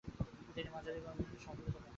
তিনি মাঝারিমানের সফলতা পান।